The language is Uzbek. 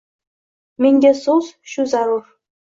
Menga so‘z shu zarur.